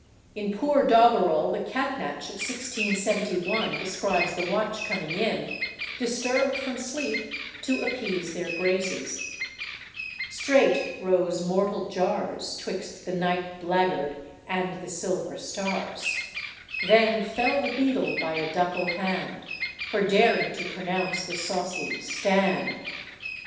In poor doggerel the Catnach of 1671 describes the watch coming in, disturbed from sleep, to appease their graces "Straight rose mortal jars, 'Twixt the night blackguard and (the) silver stars; Then fell the beadle by a ducal hand, For daring to pronounce the saucy 'Stand!